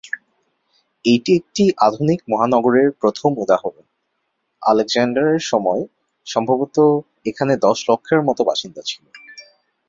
এইটি একটি আধুনিক মহানগরের প্রথম উদাহরণ, আলেকজান্ডারের সময়ে সম্ভবত এখানে দশ লক্ষের মত বাসিন্দা ছিল।